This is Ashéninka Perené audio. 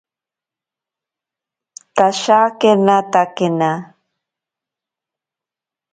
Tashakenatakena.